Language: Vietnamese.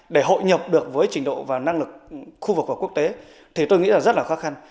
để hội nhập được với trình độ và năng lực khu vực và quốc tế thì tôi nghĩ là rất là khó khăn